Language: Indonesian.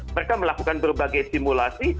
mereka melakukan berbagai simulasi